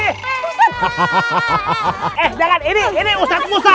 eh jangan ini ini ustaz musa